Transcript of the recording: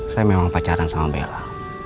saya memang pacaran sama bella